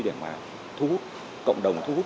để mà cộng đồng thu hút